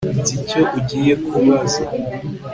Nzi icyo ugiye kubaza